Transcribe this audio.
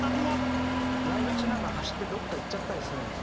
ライブ中なのに走ってどっか行っちゃったりするんですよ。